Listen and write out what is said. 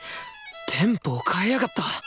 テンポを変えやがった！